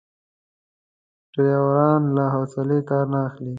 ډریوران له حوصلې کار نه اخلي.